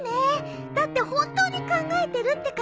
だって本当に考えてるって感じするもん。